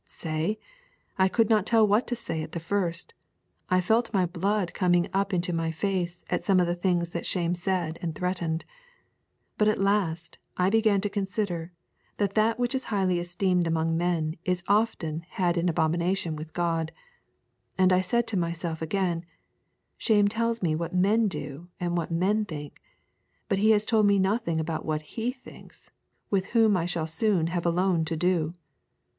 Say? I could not tell what to say at the first. I felt my blood coming up into my face at some of the things that Shame said and threatened. But, at last, I began to consider that that which is highly esteemed among men is often had in abomination with God. And I said to myself again, Shame tells me what men do and what men think, but he has told me nothing about what He thinks with Whom I shall soon have alone to do.